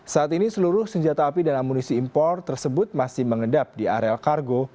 saat ini seluruh senjata api dan amunisi impor tersebut masih mengedap di areal kargo